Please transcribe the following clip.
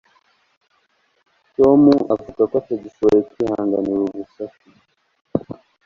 tom avuga ko atagishoboye kwihanganira uru rusaku